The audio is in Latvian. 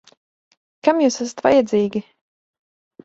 Kam jūs esat vajadzīgi?